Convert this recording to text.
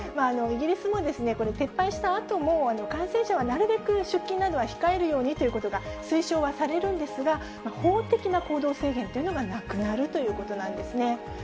イギリスも撤廃したあとも、感染者はなるべく出勤などは控えるようにということが、推奨はされるんですが、法的な行動制限というのがなくなるということなんですね。